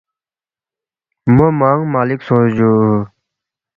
مو موانگ مالک سونگ جُو